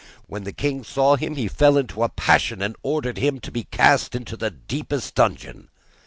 When the king saw him he fell into a passion, and ordered him to be cast into the deepest dungeon.